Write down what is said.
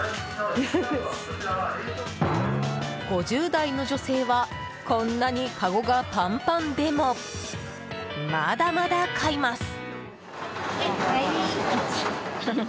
５０代の女性はこんなにかごがパンパンでもまだまだ買います。